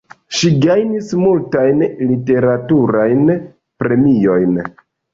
Ŝi gajnis multajn literaturajn premiojn.